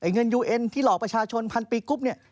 เงินยูเอ็นที่หลอกประชาชนพันปีกุ๊บ